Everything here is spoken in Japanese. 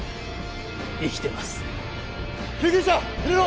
生きてます救急車入れろ！